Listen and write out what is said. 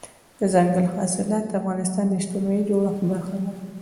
دځنګل حاصلات د افغانستان د اجتماعي جوړښت برخه ده.